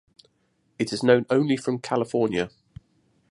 It is known only from California.